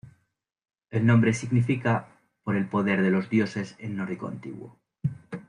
El nombre significa "Por el poder de los dioses" en nórdico antiguo.